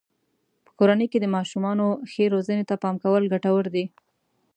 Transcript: په کورنۍ کې د ماشومانو ښې روزنې ته پام کول ګټور دی.